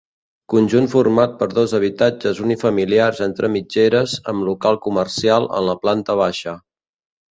Conjunt format per dos habitatges unifamiliars entre mitgeres amb local comercial en la planta baixa.